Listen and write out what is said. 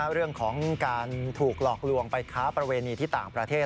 เรื่องของการถูกหลอกลวงไปค้าประเวณีที่ต่างประเทศ